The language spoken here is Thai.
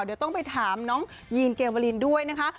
เดี๋ยวต้องไปถามน้องยีนเกวลินด้วยนะคะ